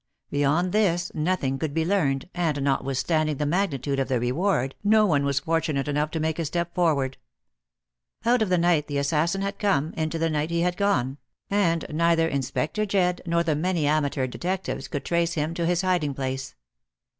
Beyond this nothing could be learned, and, notwithstanding the magnitude of the reward, no one was fortunate enough to make a step forward. Out of the night the assassin had come, into the night he had gone; and neither Inspector Jedd nor the many amateur detectives could trace him to his hiding place.